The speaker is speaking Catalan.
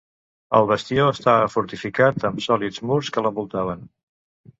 El bastió estava fortificat amb sòlids murs que l'envoltaven.